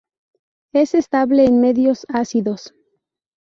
Es estable en medios ácidos.